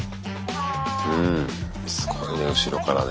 すごいね後ろからね。